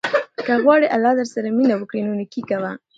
که غواړې اللهﷻ درسره مینه وکړي نو نېکي کوه.